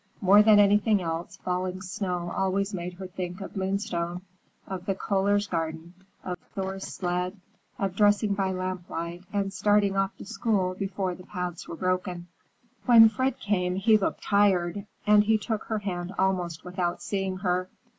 More than anything else, falling snow always made her think of Moonstone; of the Kohlers' garden, of Thor's sled, of dressing by lamplight and starting off to school before the paths were broken. When Fred came, he looked tired, and he took her hand almost without seeing her.